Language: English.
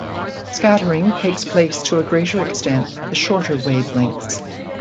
Scattering takes place to a greater extent at the shorter wavelengths.